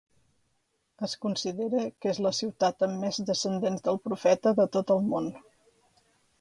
Es considera que és la ciutat amb més descendents del Profeta de tot el món.